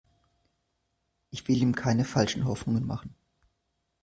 Ich will ihm keine falschen Hoffnungen machen.